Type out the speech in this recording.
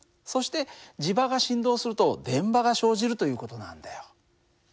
そして磁場が振動すると電場が生じるという事なんだよ。